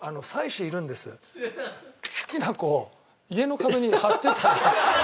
好きな子を家の壁に貼ってたら。